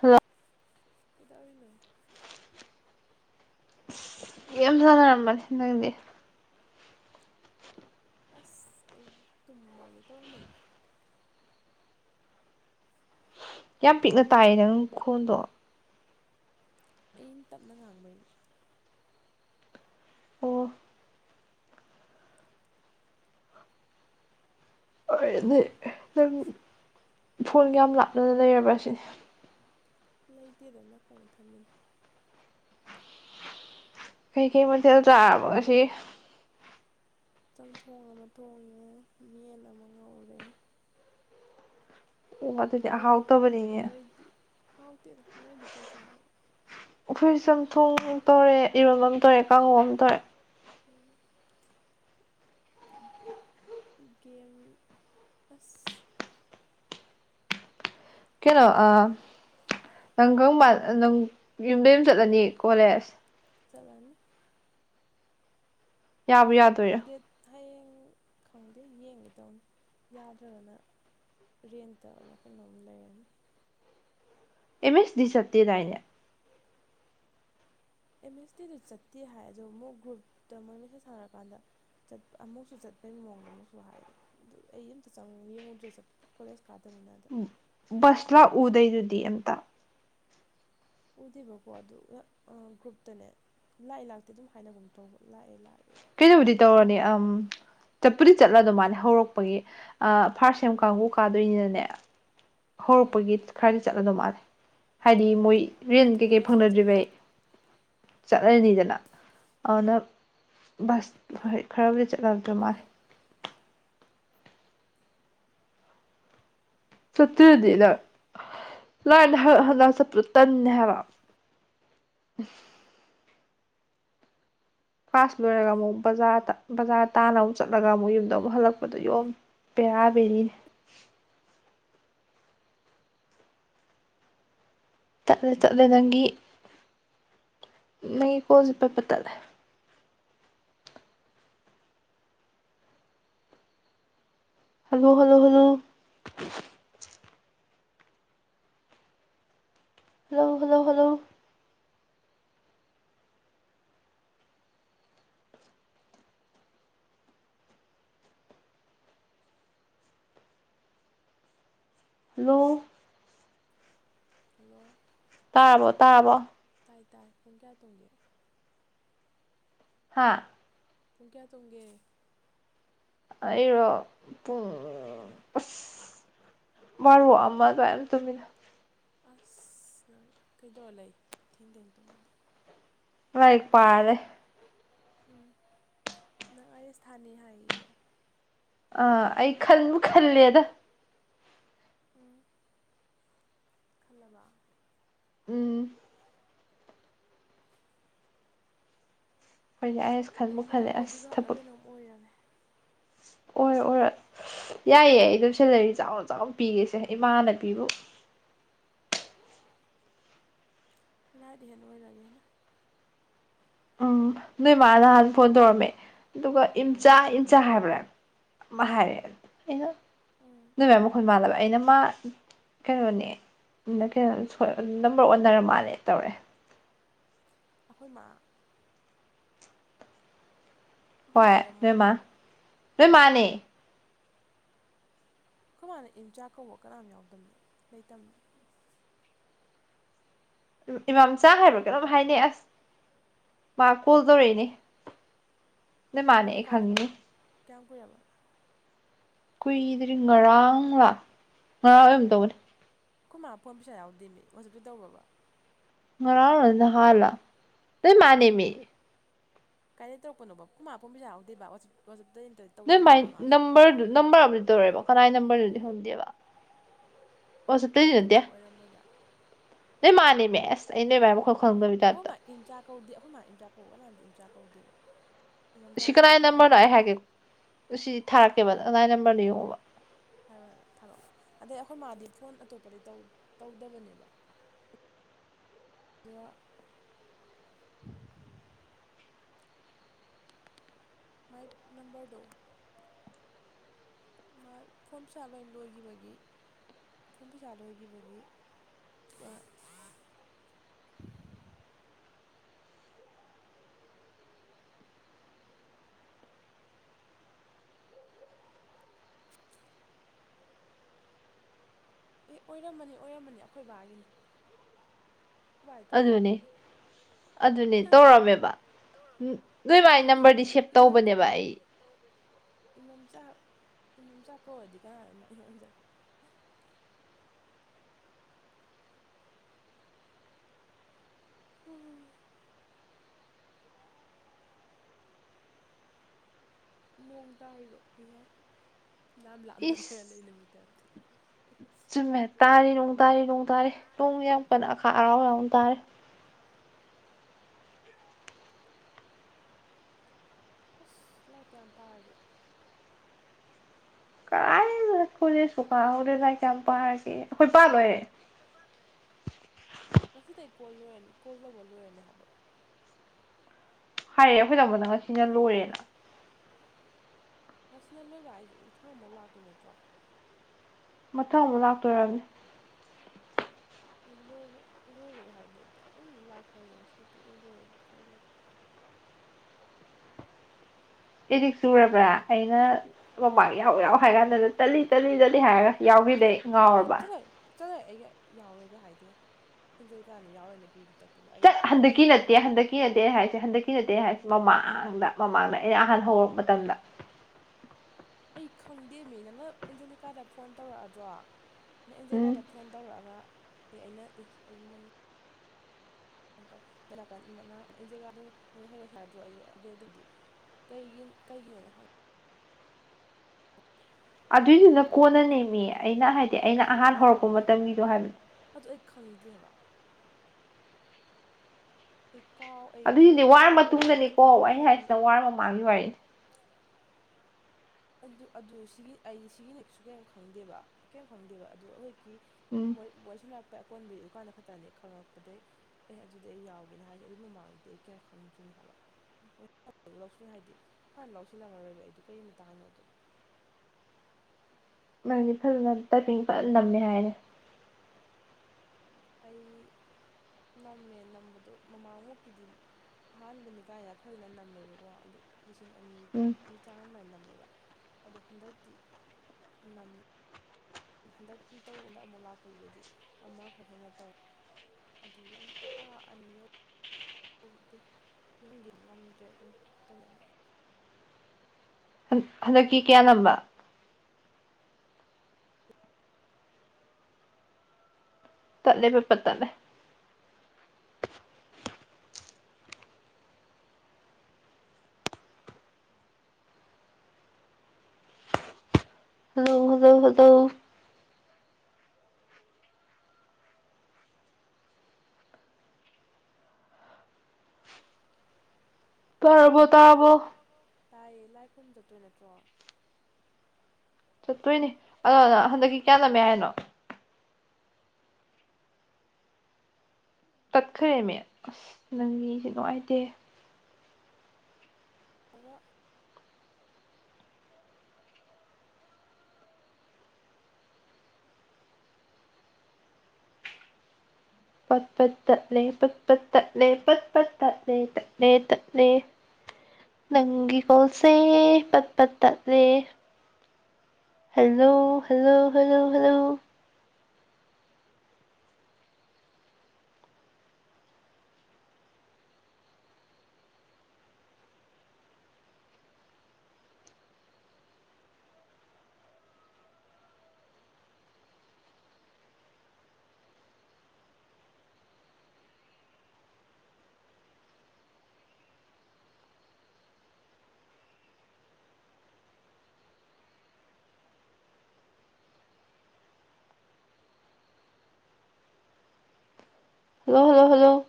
ꯍꯂ ꯀꯗꯥꯔꯤꯅꯣ ꯌꯥꯝ ꯁꯥꯟꯅꯔꯝꯕꯅꯤ ꯅꯪꯗꯤ ꯑꯁ ꯑꯩ ꯇꯨꯝꯃꯒꯦ ꯇꯧꯔꯛꯃꯅꯤ ꯌꯥꯝ ꯄꯤꯛꯅ ꯇꯥꯏꯌꯦ ꯅꯪ ꯈꯣꯟꯗꯣ ꯑꯩꯅ ꯇꯞꯅ ꯉꯥꯡꯕꯩꯅꯦ ꯑꯣ ꯑꯦꯅꯤ ꯐ ꯐꯣꯟꯒ ꯌꯥꯝ ꯂꯥꯞꯅꯅ ꯂꯩꯔꯕ ꯑꯁꯤ ꯂꯩꯇꯦꯗ ꯅꯥꯀꯣꯡꯅ ꯊꯝꯃꯤꯅꯦ ꯀꯩ ꯀꯩ ꯃꯊꯦꯜ ꯆꯥꯔꯕ ꯑꯁꯤ ꯆꯝꯊꯣꯡ ꯑꯃ ꯊꯣꯡꯉꯦ ꯌꯦꯟ ꯑꯃ ꯉꯧꯔꯦ ꯑꯣ ꯑꯗꯨꯗꯤ ꯅꯣꯏꯗꯤ ꯑꯍꯥꯎꯇꯕꯅꯤꯅꯦ ꯅꯣꯏꯗꯤ ꯍꯥꯎꯇꯦꯗ ꯅꯣꯏꯗꯤ ꯀꯩ ꯆꯥꯔꯕꯣ ꯎꯈꯨꯁ ꯌꯥꯝꯝꯊꯣꯡ ꯇꯧꯔꯦ ꯏꯔꯣꯜ ꯑꯃ ꯇꯧꯔꯦ ꯀꯥꯡꯍꯧ ꯑꯃ ꯇꯧꯔꯦ ꯎꯝ ꯒꯦꯝ ꯑꯁ ꯀꯩꯅꯣ ꯅꯪꯒꯪꯕꯥ ꯅꯪ ꯌꯨꯝꯗ ꯌꯨꯝ ꯆꯠꯂꯅꯤ ꯀꯣꯂꯦꯖ ꯆꯂꯅꯤ ꯌꯥꯎ ꯌꯥꯗꯣꯏ ꯗꯦꯠ ꯍꯌꯦꯡ ꯈꯪꯗꯦ ꯌꯦꯡꯒꯦ ꯇꯧꯅꯤ ꯌꯥꯗ꯭ꯔꯒꯅ ꯔꯦꯟꯦꯟ ꯇꯔꯛ ꯀꯩ ꯅꯍꯝ ꯂꯩꯒꯔꯅꯤ ꯑꯦꯝ ꯑꯦꯁ ꯗꯤ ꯆꯠꯇꯦꯗꯥꯏꯅꯦ ꯑꯦꯝ ꯑꯦꯁ ꯇꯗꯤꯗꯨ ꯆꯠꯇꯦ ꯍꯥꯏ ꯑꯣ ꯃꯨꯛ ꯒ꯭ꯔꯨꯞꯇ ꯃꯣꯏ ꯃꯦꯁꯦꯖ ꯁꯥꯟꯅꯔꯀꯥꯟꯗ ꯆꯠꯄ ꯑꯃꯨꯛꯁꯨ ꯆꯠꯄꯩ ꯃꯑꯣꯡꯗ ꯑꯃꯨꯛꯁꯨ ꯍꯥꯏ ꯑꯗꯨ ꯑꯩ ꯑꯃꯝꯇ ꯆꯪ ꯌꯦꯡꯉꯨꯗ꯭ꯔꯦ ꯆꯠꯄ ꯀꯂꯁ ꯀꯥꯗꯃꯤꯟꯅꯗ ꯕꯁꯂꯥꯛ ꯎꯗꯣꯏꯗꯨꯗꯤ ꯑꯝꯇ ꯎꯗꯦꯕꯀꯣ ꯑꯗꯨ ꯒ꯭ꯔꯨꯞꯇꯅꯦ ꯂꯥꯛꯑꯦ ꯂꯥꯛꯇꯦ ꯑꯗꯨꯝ ꯍꯥꯏꯅꯒꯨꯝ ꯇꯧꯕ ꯂꯥꯛꯑꯦ ꯂꯥꯛꯑꯦ ꯀꯩꯅꯩꯅꯕꯨꯗꯤ ꯇꯧꯔꯅꯤ ꯂꯥꯛꯑꯦ ꯑ ꯀꯥꯏꯅ ꯑꯃꯨꯛ ꯆꯠꯄꯨꯗꯤ ꯆꯠꯂ ꯑꯗꯨ ꯃꯥꯅ ꯍꯧꯔꯛꯄꯒꯤ ꯐꯥꯔꯁ ꯁꯦꯝ ꯎꯝ ꯀꯥꯡꯕꯨ ꯄꯥꯗꯣꯏꯅꯤꯅꯅꯦ ꯑꯥ ꯍꯧꯔꯛꯄꯒꯤ ꯈꯔꯗꯤ ꯆꯠꯂꯗꯧ ꯃꯥꯜꯂꯦ ꯍꯥꯏꯗꯤ ꯃꯣꯏ ꯔꯦꯟ ꯑꯪ ꯀꯩꯀꯩ ꯈꯔꯗꯤ ꯐꯪꯅꯗ꯭ꯔꯤꯔꯤꯕꯩ ꯆꯠꯂꯅꯤ ꯆꯠꯅꯔꯅꯤꯗꯅ ꯑꯗꯨꯅ ꯕꯁ ꯍꯣꯏ ꯈꯔꯕꯨꯗꯤ ꯆꯠꯂꯗꯣ ꯃꯥꯜꯂ ꯆꯠꯇꯔꯗꯤ ꯅ ꯂꯥꯏꯅ ꯍꯟꯗꯛ ꯆꯠꯄꯗ ꯇꯟꯅꯦ ꯍꯥꯏꯕ ꯑ ꯀ꯭ꯂꯥꯁ ꯂꯣꯏꯔꯒ ꯑꯃꯨꯛ ꯕꯖꯥꯔꯗ ꯕꯖꯥꯔ ꯇꯥꯅ ꯑꯃꯨꯛ ꯆꯠꯂꯒ ꯑꯃꯨꯛ ꯌꯨꯝꯗ ꯑꯃꯨꯛ ꯍꯜꯂꯛꯄꯗꯣ ꯌꯣꯝꯅꯤ ꯄꯔꯕꯔꯤ ꯇꯠꯂꯦ ꯇꯠꯂꯦ ꯅꯪꯒꯤ ꯅꯪꯒꯤ ꯀꯣꯟꯜꯁꯦ ꯄꯠꯄ ꯇꯠꯂꯦ hello hello hello hello hello hello hello hello ꯇꯥꯕꯣ ꯇꯥꯕꯣ ꯇꯥꯏ ꯇꯥꯏ ꯄꯨꯡ ꯀꯌꯥ ꯇꯨꯡꯒꯦ ꯍꯥꯥ ꯄꯨꯡ ꯀꯌꯥ ꯇꯨꯡꯒꯦ ꯑꯩꯔꯣ ꯎꯝ ꯑꯁ ꯋꯥꯔꯣ ꯑꯃ ꯑꯗꯨꯃꯥꯏꯅ ꯇꯨꯃꯤꯟꯅ ꯑꯁ ꯅꯪ ꯀꯩꯗꯧꯔ ꯂꯩ ꯊꯦꯡ ꯊꯦꯡ ꯇꯨꯝꯃꯗꯤ ꯂꯏ ꯄꯥꯗꯦ ꯎꯝ ꯅꯪ ꯑꯩ ꯑꯦꯁ ꯊꯥꯅꯤ ꯍꯥꯏꯌꯦꯌꯦ ꯑꯥ ꯑꯩ ꯈꯟꯕꯨ ꯈꯜꯂꯦꯗ ꯎꯝ ꯈꯜꯂꯕ ꯎꯝ ꯑꯩꯣꯏ ꯑ ꯑꯩ ꯅꯪ ꯕꯣꯗꯤ ꯒꯥꯔꯗꯂ ꯀꯩꯅꯣꯝ ꯑꯣꯏꯔꯒꯦ ꯑꯣꯏꯔ ꯑꯣꯏꯔꯣ ꯌꯥꯏꯌꯦ ꯑꯩ ꯑꯗꯨꯝ ꯁꯦꯂꯔꯤ ꯆꯥꯎꯅ ꯆꯥꯎꯅ ꯄꯤꯒꯧꯁꯦ ꯏꯃꯥꯅꯕꯤꯕꯨ ꯂꯥꯏꯗ ꯍꯦꯟ ꯑꯣꯏꯔꯒꯦ ꯑꯩꯅ ꯎꯝ ꯅꯣꯏ ꯏꯃ ꯅꯍꯥꯟ ꯐꯣꯟ ꯇꯧꯔꯝꯃꯦ ꯑꯗꯨꯒ ꯏꯝꯆꯥ ꯎꯝ ꯏꯟꯆꯥ ꯍꯥꯏꯕ꯭ꯔꯥ ꯑꯃ ꯍꯥꯏꯔꯦ ꯑꯩꯅ ꯎꯝ ꯅꯣꯏ ꯃꯥꯢ ꯃꯈꯣꯟ ꯃꯥꯜꯂꯕ ꯑꯩꯅ ꯃꯥ ꯀꯩꯅꯣꯅꯦ ꯀꯩꯅꯣ ꯅꯝꯕꯔ ꯑꯣꯟꯅꯔ ꯃꯥꯜꯂ ꯇꯧꯔꯦ ꯑꯩꯈꯣꯏ ꯃꯥ ꯑꯩꯈꯣꯏ ꯃꯥ ꯍꯣꯏ ꯅꯣꯏ ꯑꯣꯏꯔꯝꯃꯣꯏ ꯃꯥ ꯅꯣꯏ ꯃꯥꯅꯦ ꯑꯈꯣꯏ ꯃꯥꯅ ꯏꯝꯆꯥꯥ ꯀꯧꯕ ꯀꯅꯥꯝ ꯌꯥꯎꯇꯝꯅꯤ ꯂꯩꯇꯝꯅꯤ ꯏꯃꯥꯝꯆꯥ ꯍꯥꯏꯕ꯭ꯔꯥ ꯀꯩꯅꯣꯝ ꯍꯥꯏꯅꯩ ꯑꯁ ꯃꯥ ꯀꯣꯜ ꯇꯧꯔꯛꯏꯅꯦ ꯅꯣꯏ ꯃꯥꯅꯦ ꯀꯔꯝ ꯑꯩ ꯀꯥꯟꯗꯅꯣ ꯈꯪꯉꯤꯅꯦ ꯀꯌꯥꯝ ꯀꯨꯏꯔꯕꯅꯣ ꯀꯨꯏꯗ꯭ꯔꯤ ꯉꯔꯥꯡ ꯂꯥ ꯉꯔꯥꯡ ꯑꯣꯏꯒꯨꯝ ꯇꯧꯕꯅꯤ ꯑꯩꯈꯣꯏ ꯃꯥ ꯐꯣꯟ ꯄꯩꯁꯥ ꯌꯥꯎꯗꯦ ꯃꯤ ꯑꯣꯖꯞꯇꯩ ꯇꯧꯕ꯭ꯔꯕ ꯉꯔꯥꯡꯂ ꯅꯍꯥꯂ ꯅꯣꯢ ꯃꯥꯅꯦꯃꯤ ꯀꯥꯏꯗꯩ ꯇꯧꯔꯛꯄꯅꯣꯕ ꯑꯈꯣꯢ ꯃꯥ ꯐꯣꯟ ꯄꯩꯁꯥꯁꯨ ꯌꯥꯎꯗꯦꯕ ꯋꯥꯆꯞꯇꯩ ꯅꯇ꯭ꯔꯗꯤ ꯅꯣꯏ ꯃꯥꯏ ꯅꯝꯕꯔꯗꯨ ꯅꯝꯕꯔ ꯑꯃꯗꯤ ꯇꯧꯔꯛꯑꯦꯕ ꯀꯅꯥꯏ ꯅꯝꯕꯔꯅꯣꯗꯤ ꯈꯡꯗꯦꯕ ꯋꯥꯆꯞꯇꯩꯗꯤ ꯑꯩꯈꯣꯏ ꯅꯠꯇꯦ ꯃꯥ ꯑꯣꯏꯔꯝꯃꯣꯏꯗ ꯅꯣꯏ ꯃꯥꯅꯦꯃꯤ ꯑꯦꯁ ꯑꯩ ꯅꯣꯏꯃꯥꯏ ꯃꯈꯣꯟ ꯈꯪꯗꯕꯩ ꯇꯥꯢꯞꯇ ꯏꯟꯆꯥ ꯀꯧꯗꯦ ꯑꯩꯈꯣꯏ ꯃꯥ ꯏꯟꯆꯥꯥ ꯀꯧꯗꯦꯗ ꯁꯤ ꯀꯧꯕ ꯀꯅꯥꯏ ꯀꯅꯥꯝ ꯅꯝꯕꯔꯅꯣ ꯑꯩ ꯌꯥꯎꯗꯦꯕ ꯍꯥꯏꯒꯦꯀꯣ ꯁꯤ ꯊꯔꯛꯀꯦꯕ ꯀꯅꯥꯏ ꯅꯝꯕꯔꯅꯣ ꯌꯦꯡꯉꯣꯕ ꯍꯥꯏꯔꯣ ꯍꯥꯏꯔꯣ ꯊꯥꯔꯛꯑꯣ ꯑꯗꯩ ꯑꯩꯈꯣꯏ ꯃꯥꯗꯤ ꯐꯣꯟ ꯑꯇꯣꯞꯄꯗꯩ ꯇꯧꯗꯕꯅꯦꯕ ꯑꯗꯨꯒ ꯃꯥꯏ ꯅꯝꯕꯔꯗꯨ ꯃꯥꯢ ꯐꯣꯟ ꯄꯩꯁꯥ ꯂꯣꯏ ꯂꯣꯏꯒꯤꯕꯒꯤ ꯐꯨꯟ ꯄꯩꯁꯥ ꯂꯣꯏꯈꯤꯕꯒꯤ ꯃꯥ ꯑꯦ ꯑꯣꯏꯔꯝꯃꯅꯤ ꯑꯣꯏꯔꯝꯃꯅꯤ ꯑꯩꯈꯣꯏ ꯕꯥꯒꯤꯅꯤ [unintelligible] ꯑꯈꯣꯏ ꯕꯥꯗꯩ ꯇꯧꯕ ꯑꯗꯨꯅꯦ ꯑꯣꯏꯔꯝꯃꯅꯤ ꯑꯗꯨꯅꯦ ꯑꯗꯨꯅꯦ ꯇꯧꯔꯝꯃꯦꯕ ꯅꯣꯏ ꯃꯥꯏ ꯅꯝꯕꯔꯗꯤ ꯁꯦꯞ [unintelligible] ꯇꯧꯕꯅꯦꯕ ꯑꯩ ꯏꯃ ꯏꯃꯝ ꯆꯥꯛ ꯀꯧꯔꯗꯤ ꯀꯅꯥꯅ ꯏꯃ [unintelligible] ꯎꯝ ꯅꯣꯡ ꯇꯥꯔꯤꯔꯣ ꯏꯍꯦ ꯂꯥꯝ ꯂꯥꯞ ꯅꯔ ꯏꯁ ꯂꯩꯅꯕꯩ ꯇꯥꯢꯞꯇ ꯆꯨꯝꯃꯦ ꯇꯥꯔꯤ ꯅꯣꯡ ꯇꯥꯔꯤ ꯅꯣꯡ ꯇꯥꯔꯤ ꯅꯣꯡ ꯌꯥꯝꯀꯟꯅ ꯑꯈꯥꯛ ꯑꯔꯥꯎ ꯌꯥꯎꯅ ꯇꯥꯔꯤ [unintelligible] ꯑꯁ ꯂꯥꯏꯔꯤꯛ ꯀꯌꯥꯝ ꯄꯥꯔꯒꯦ ꯀꯔꯥꯢꯅꯣꯗ ꯀꯣꯂꯦꯖꯐꯥꯎ ꯀꯥ ꯍꯧꯗ꯭ꯔꯤ ꯂꯥꯢꯔꯤꯛ ꯀꯌꯥꯝ ꯄꯥꯔꯒꯦꯌꯦ ꯑꯩꯈꯣꯏ ꯄꯥ ꯂꯣꯏꯔꯦ ꯑꯩꯈꯣꯏ ꯄꯥ ꯂꯣꯏꯔꯦ ꯉꯁꯤꯗꯩ ꯀꯣꯜ ꯂꯣꯏꯔꯅꯤ ꯀꯣꯜ ꯇꯧꯕ ꯂꯣꯏꯔꯅꯤ ꯍꯥꯏꯕ꯭ꯔꯣ ꯍꯥꯏꯔꯦ ꯑꯩꯈꯣꯏ ꯇꯥꯃꯣꯅ ꯉꯁꯤꯅ ꯂꯣꯏꯔꯦꯅ ꯉꯁꯤꯅ ꯂꯣꯏꯕ ꯍꯥꯏꯁꯤ ꯃꯊꯪ ꯑꯃꯨꯛ ꯂꯥꯛꯇꯣꯏ ꯅꯠꯇ꯭ꯔꯣ ꯃꯊꯪ ꯑꯃꯨꯛ ꯂꯥꯛꯇꯣꯏ ꯑꯣꯏꯔꯝꯅꯤ [unintelligible] ꯑꯩ ꯂꯣꯏꯕ꯭ꯔꯥ ꯂꯣꯏꯔꯦꯒꯥ ꯍꯥꯏꯕꯗꯣ ꯑꯩꯗꯤ ꯑꯗꯨꯝ ꯂꯥꯛꯈ꯭ꯔꯕꯗꯤ ꯁꯤꯗ ꯄꯨꯛꯂꯣꯏ ꯂꯣꯏꯔꯕ ꯈꯜꯂꯣꯏꯔꯦ ꯑꯦꯗꯤꯛ ꯆꯨꯔꯕ꯭ꯔꯥ ꯑꯩꯅ ꯃꯃꯥꯡ ꯌꯥꯎ ꯌꯥꯎ ꯍꯥꯏ ꯀꯥꯟꯗꯅ ꯇꯂꯤ ꯇꯂꯤ ꯇꯂꯤ ꯍꯥꯏꯔꯒ ꯌꯥꯎꯒꯤꯗꯩ ꯉꯥꯎꯔꯕ꯭ꯔ ꯆꯂ ꯑꯩꯒ ꯌꯥꯎꯔꯣꯏꯒ ꯍꯥꯏꯗꯦ ꯏꯟꯖꯔꯤꯀꯥꯅꯤ ꯌꯥꯎꯔꯣꯏꯅ ꯀ꯭ꯔꯤ ꯀ꯭ꯔꯤꯒꯤ ꯇꯛ ꯆꯠ ꯍꯟꯗꯛꯀꯤ ꯅꯠꯇꯦ ꯍꯟꯗꯛꯀꯤ ꯅꯠꯇꯦ ꯍꯥꯏꯁꯦ ꯍꯟꯗꯛꯀꯤ ꯅꯠꯇꯦ ꯍꯥꯏꯁꯦ ꯀꯔꯝꯕ ꯃꯃꯥꯡꯗ ꯃꯃꯥꯡꯗ ꯑꯩꯅ ꯑꯍꯥꯟ ꯍꯧꯔꯛ ꯃꯇꯝꯗ ꯑꯩ ꯈꯪꯗꯦꯃꯤ ꯅꯪꯅ ꯑꯦꯟꯖꯦꯂꯤꯀꯥꯗ ꯐꯣꯟ ꯇꯧꯔꯛꯑꯗ꯭ꯔꯣ ꯅꯪ ꯑꯦꯟꯖꯦꯂꯤꯀꯥꯗ ꯎꯝ ꯐꯣꯟ ꯇꯧꯔꯛꯑꯒ ꯑꯦ ꯑꯩꯅ ꯑꯦ [unintelligible] [unintelligible] ꯀꯩꯒꯤ ꯀꯩꯒꯤꯅꯣꯗ ꯍꯪꯒ ꯀꯩꯅꯣꯒꯤꯅꯤ ꯑꯗꯨꯏꯗꯨꯅ ꯆ ꯀꯩꯅꯤ ꯀ ꯈꯣꯠꯄꯅꯤ ꯀꯣꯟꯅꯅꯦꯃꯤ ꯑꯩꯅ ꯍꯥꯏꯅꯔꯦꯅ ꯍꯥꯏꯗꯤ ꯑꯩꯅ ꯑꯦ ꯑꯗꯨꯗ ꯑꯍꯥꯟ ꯑꯩꯁꯨ ꯍꯧꯔꯛꯄ ꯌꯥꯎꯅꯤ ꯃꯇꯝꯒꯤꯗꯣ ꯍꯥꯏꯔꯒ ꯍꯥꯏꯕꯅꯦ ꯑꯗꯣ ꯑꯩ ꯈꯪꯗꯦꯕ [unintelligible] ꯑꯗꯨꯏꯒꯤꯗꯤ ꯋꯥꯔ ꯀꯥꯎꯈ꯭ꯔꯦ ꯑꯩ ꯃꯇꯨꯡꯗꯅꯤꯀꯣ ꯑꯗꯨ ꯀꯩꯝ ꯑꯩ ꯅꯤꯡꯁꯤꯡꯗꯦ ꯍꯥꯏꯁꯤꯅ ꯋꯥꯔ ꯃꯃꯥꯡꯒꯤ ꯋꯥꯔꯤꯅꯤ ꯑꯗꯨ ꯑꯗꯨ ꯁꯤꯒꯤ ꯑꯩ ꯁꯤꯒꯤꯅ ꯀꯩꯁꯨ ꯀꯩ ꯈꯪꯗꯦꯕ ꯀꯩꯝ ꯈꯪꯗꯦꯕ ꯑꯗꯨ ꯑꯩꯈꯣꯏꯀꯤ ꯎꯝ [unintelligible] ꯑꯀꯣꯟꯕꯒꯤ ꯑꯗꯨꯗꯨꯀꯥꯟꯗ ꯈꯛꯇꯅꯦ ꯈꯪꯪꯂꯛꯄꯗꯒꯤꯩ ꯑꯦ ꯑꯗꯨꯗꯤ ꯑꯩ ꯌꯥꯎ ꯀꯒꯤꯅ ꯍꯥꯏꯁꯦ ꯑꯗꯨꯒꯤ ꯃꯃꯥꯡꯗꯗꯤ ꯑꯩ ꯀꯌꯥꯝꯝ ꯈꯪꯗ꯭ꯔꯤꯅꯦ ꯍꯥꯏꯕ ꯂꯧꯁꯤꯜ ꯍꯥꯏꯗꯤ ꯐꯅ ꯂꯧꯁꯤꯜꯂꯝꯃꯔꯣꯏꯕ ꯑꯩꯗꯣ ꯀꯔꯤ ꯃꯇꯥꯡꯅꯣꯗꯣ ꯅꯪꯗꯤ ꯐꯖꯅ ꯇꯥꯏꯄꯤꯡ ꯐꯖꯂꯝꯃꯦ ꯍꯥꯏꯔꯅꯤ ꯑꯩ ꯅꯝꯃꯦ ꯅꯝꯕꯗꯣ ꯃꯃꯥꯡꯃꯨꯛꯀꯤꯗꯤ ꯑꯍꯥꯟꯕꯅꯤ ꯀꯥꯏꯅ ꯐꯖꯅ ꯅꯝꯃꯦꯕꯀꯣ ꯍꯥꯏꯗꯤ ꯂꯤꯁꯤꯡ ꯎꯝ ꯑꯅꯤꯒꯤ ꯆꯥꯡ ꯑꯗꯨꯃꯥꯏꯅ ꯅꯝꯃꯦꯕ ꯑꯗꯣ ꯍꯟꯗꯛꯇꯤ ꯅꯝ ꯍꯟꯗꯛꯀꯤ ꯇꯧꯕꯗ ꯑꯃꯨꯛ ꯂꯥꯛꯄꯗꯨꯗꯗꯤ ꯑꯃ ꯈꯔ ꯍꯦꯟꯅ ꯇꯧꯋꯦ ꯑꯗꯨ ꯑꯥ ꯑꯅꯤ ꯇꯗꯤ ꯌꯨꯝꯒꯤ ꯉꯝꯗ꯭ꯔꯦ ꯑꯗꯨꯝ ꯇꯅ ꯍꯟꯗꯛꯀꯤ ꯀꯌꯥ ꯂꯝꯝꯕ ꯇꯠꯂꯦꯕ ꯄꯠ ꯇꯠꯂꯦ ꯍꯧꯗꯣ ꯍꯗꯣ [unintelligible] ꯇꯔꯕꯣ ꯇꯔꯕꯣ ꯇꯥꯏꯌꯦ ꯂꯥꯏ ꯈꯨ꯭ꯔꯔꯨꯝ ꯆꯠꯇꯣꯏ ꯅꯠꯇ꯭ꯔꯣ ꯆꯠꯇꯣꯏꯅꯦ ꯑꯗꯣꯅ ꯍꯟꯗꯛꯀꯤ ꯏꯟꯗꯤꯂꯤꯒ ꯀꯌꯥꯂꯝꯃꯦ ꯍꯥꯏꯅꯣ ꯇꯠꯈ꯭ꯔꯦꯂꯤ ꯑꯁ ꯅꯪꯒꯤꯁꯦ ꯅꯨꯡꯉꯥꯏꯇꯦꯍꯦ ꯄꯠꯄꯠ ꯇꯠꯂꯦ ꯄꯠꯄꯠ ꯇꯠꯂꯦ ꯄꯠꯄꯠꯇ ꯇꯠꯂꯦ ꯇꯠꯂꯦꯇꯠꯂꯦ ꯅꯪꯒꯤ ꯀꯣꯜꯁꯦ ꯄꯠ ꯄꯠ ꯇꯠꯂꯦ hello hello hello hello hello hello hello